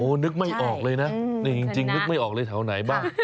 นึกไม่ออกเลยนะนี่จริงนึกไม่ออกเลยแถวไหนบ้าง